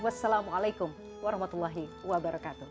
wassalamualaikum warahmatullahi wabarakatuh